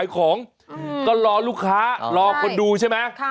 ของก็รอลูกค้ารอคนดูใช่ไหม